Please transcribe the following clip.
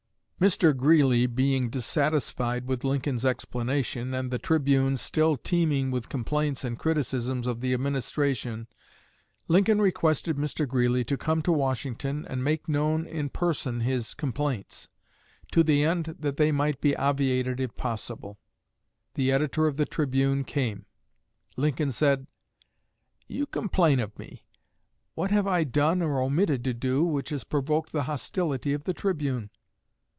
Mr. Greeley being dissatisfied with Lincoln's explanation, and the "Tribune" still teeming with complaints and criticisms of the administration, Lincoln requested Mr. Greeley to come to Washington and make known in person his complaints, to the end that they might be obviated if possible. The editor of the "Tribune" came. Lincoln said: "You complain of me. What have I done, or omitted to do, which has provoked the hostility of the 'Tribune'?"